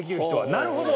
なるほど。